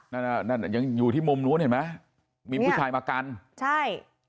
นั่นอ่ะนั่นยังอยู่ที่มุมนู้นเห็นไหมมีผู้ชายมากันใช่